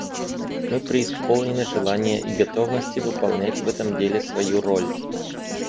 Мы преисполнены желания и готовности выполнять в этом деле свою роль.